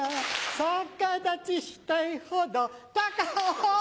逆立ちしたいほど隆夫！